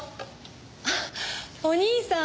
あっお兄さん。